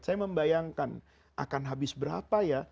saya membayangkan akan habis berapa ya